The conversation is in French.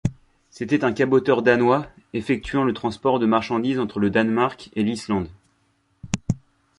C'était un caboteur danois, effectuant le transport de marchandises entre le Danemark et l'Islande.